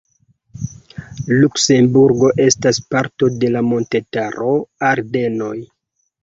Luksemburgo estas parto de la montetaro Ardenoj.